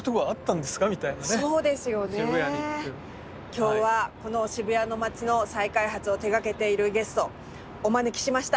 今日はこの渋谷の街の再開発を手がけているゲストお招きしました。